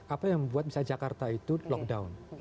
apa yang membuat misalnya jakarta itu lockdown